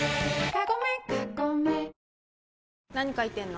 何書いてんの？